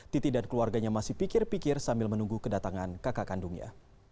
titi dan keluarganya masih pikir pikir sambil menunggu kedatangan kakak kandungnya